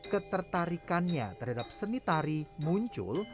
ketertarikannya terhadap seni tari muncul